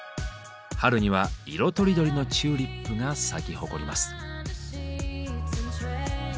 春には色とりどりのチューリップが咲き誇ります。